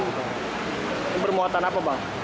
itu bermuatan apa bang